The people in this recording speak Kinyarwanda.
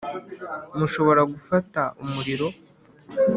mushobora gufata umuriro